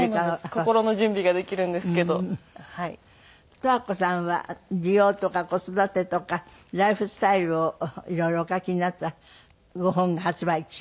十和子さんは美容とか子育てとかライフスタイルを色々お書きになったご本が発売中？